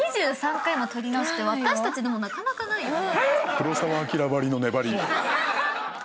黒澤明ばりの粘り。